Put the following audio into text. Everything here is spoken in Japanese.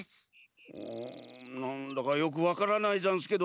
うんなんだかよくわからないざんすけど。